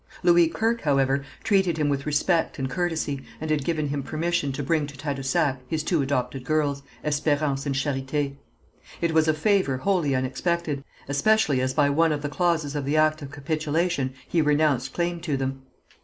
Louis Kirke, however, treated him with respect and courtesy, and had given him permission to bring to Tadousac his two adopted girls, Espérance and Charité. It was a favour wholly unexpected, especially as by one of the clauses of the act of capitulation he renounced claim to them.